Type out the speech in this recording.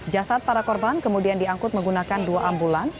jasad para korban kemudian diangkut menggunakan dua ambulans